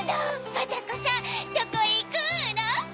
バタコさんどこへいくの？